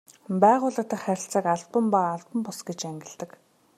Байгууллага дахь харилцааг албан ба албан бус гэж ангилдаг.